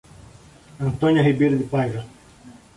Antônia Ribeiro de Paiva